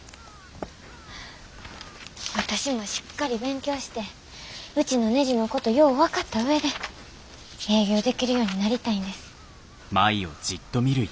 私もしっかり勉強してうちのねじのことよう分かった上で営業できるようになりたいんです。